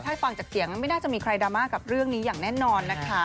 ถ้าฟังจากเสียงไม่น่าจะมีใครดราม่ากับเรื่องนี้อย่างแน่นอนนะคะ